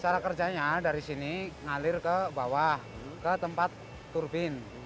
cara kerjanya dari sini ngalir ke bawah ke tempat turbin